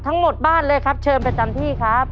บ้านเลยครับเชิญประจำที่ครับ